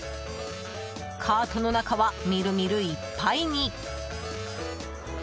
カートの中はみるみるいっぱいに。